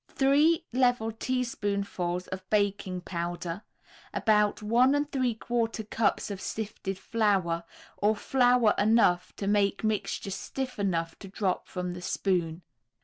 Three level teaspoonfuls of baking powder, about one and three quarter cups of sifted flour, or flour enough to make mixture stiff enough to drop from the spoon.